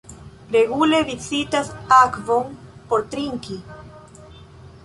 Regule vizitas akvon por trinki.